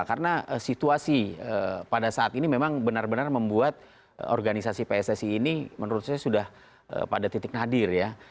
karena situasi pada saat ini memang benar benar membuat organisasi pssg ini menurut saya sudah pada titik nadir ya